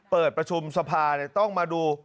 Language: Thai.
เปิดประชุมสภาต้องมาดู